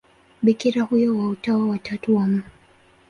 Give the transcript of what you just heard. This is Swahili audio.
Bikira huyo wa Utawa wa Tatu wa Mt.